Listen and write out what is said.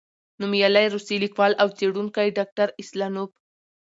نومیالی روسی لیکوال او څېړونکی، ډاکټر اسلانوف،